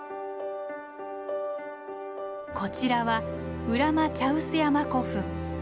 こちらは浦間茶臼山古墳。